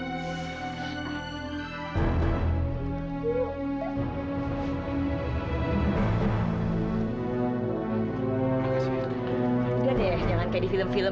udah deh jangan kayak di film film